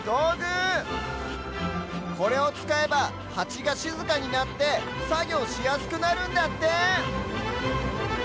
これをつかえばハチがしずかになってさぎょうしやすくなるんだって！